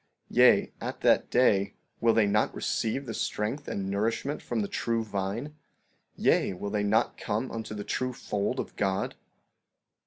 Yea, at that day, will they not receive the strength and nourishment from the true vine? Yea, will they not come unto the true fold of God?